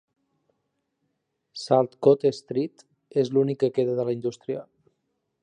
"Saltcote Street" és l'únic que queda de la indústria.